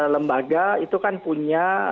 lembaga itu kan punya